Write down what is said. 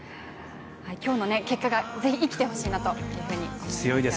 今日の結果がぜひ生きてほしいなと思います。